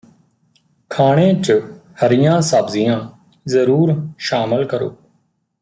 ਖਾਣੇ ਚ ਹਰੀਆਂ ਸਬਜ਼ੀਆਂ ਜ਼ਰੂਰ ਸ਼ਾਮਲ ਕਰੋ